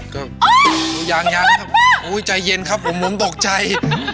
ก็ยันใจเย็นครับผมตกใจ